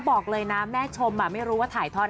บอกเลยนะแม่ชมไม่รู้ว่าถ่ายทอด